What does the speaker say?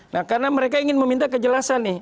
nah karena mereka ingin meminta kejelasan nih